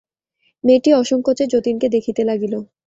মেয়েটি অসংকোচে যতীনকে দেখিতে লাগিল।